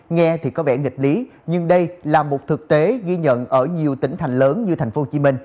nghe thì có vẻ nghịch lý nhưng đây là một thực tế ghi nhận ở nhiều tỉnh thành lớn như tp hcm